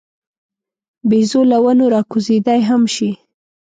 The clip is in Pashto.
بیزو له ونو راکوزېدای هم شي.